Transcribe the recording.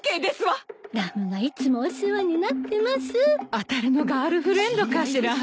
あたるのガールフレンドかしら？